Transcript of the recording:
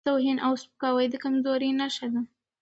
توهین او سپکاوی د کمزورۍ نښه ده.